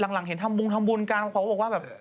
หลังเห็นทำบุญทำบุญกันคุณป๊อกก็บอกว่าแบบ